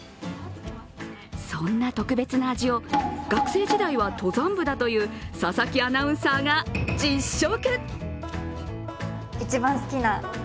そんな特別な味を、学生時代は登山部だという佐々木アナウンサーが実食。